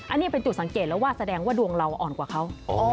อันนี้เป็นจุดสังเกตแล้วว่าแสดงว่าดวงเราอ่อนกว่าเขา